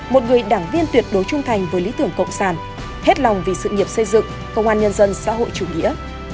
một người đảng viên tuyệt đối trung thành với lý tưởng cộng sản hết lòng vì sự nghiệp xây dựng công an nhân dân xã hội chủ nghĩa